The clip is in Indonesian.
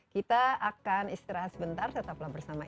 kita akan istirahat sebentar tetaplah bersama insight with desi anwar